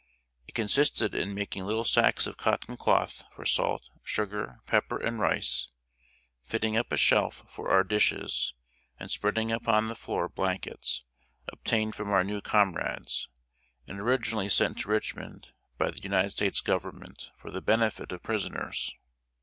It consisted in making little sacks of cotton cloth for salt, sugar, pepper, and rice, fitting up a shelf for our dishes, and spreading upon the floor blankets, obtained from our new comrades, and originally sent to Richmond by the United States Government for the benefit of prisoners.